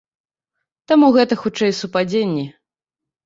Таму гэта хутчэй супадзенні.